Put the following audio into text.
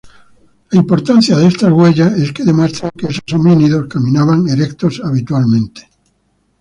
La importancia de estas huellas es que demuestran que esos homínidos caminaban erectos habitualmente.